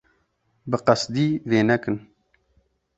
Bi qesdî vê nekin.